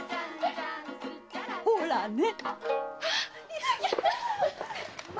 ほらね！